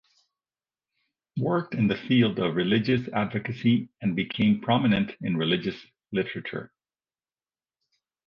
Worked in the field of religious advocacy and became prominent in religious literature.